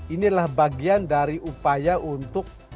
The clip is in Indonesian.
inilah bagian dari upaya untuk